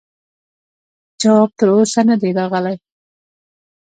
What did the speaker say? جواب تر اوسه نه دی راغلی.